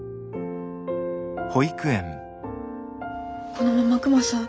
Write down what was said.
このままクマさん